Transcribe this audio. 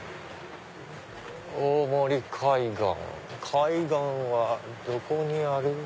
大森海岸海岸はどこにある？